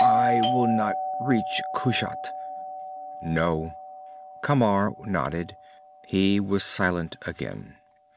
"I will not reach Kushat." "No." Camar nodded. He was silent again.